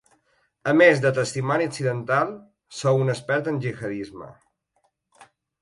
A més de testimoni accidental, sou un expert en gihadisme.